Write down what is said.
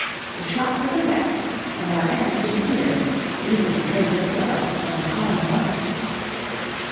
The shot took effect, and our enemy disappeared, leaving a trace of blood on the calm water.